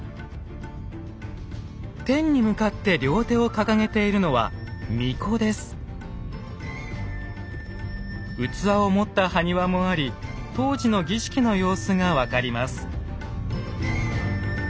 天に向かって両手を掲げているのは器を持った埴輪もあり当時の儀式の様子が分かります。